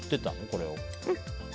これを。